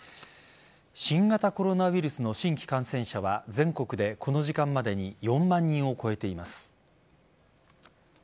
新型コロナウイルスの新規感染者は全国でこの時間までに４万人を超えています。